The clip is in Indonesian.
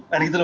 kan gitu lho